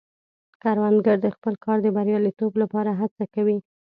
کروندګر د خپل کار د بریالیتوب لپاره هڅه کوي